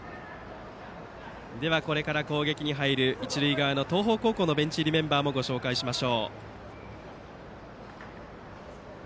これから攻撃に入る一塁側の東邦高校のベンチ入りメンバーもご紹介します。